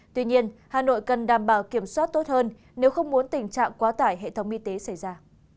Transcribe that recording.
tuy nhiên hà nội cần đảm bảo kiểm soát tốt hơn nếu không muốn tình trạng quá tải hệ thống y tế xảy ra